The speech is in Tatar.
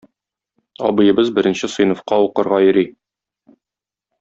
Абыебыз беренче сыйныфка укырга йөри.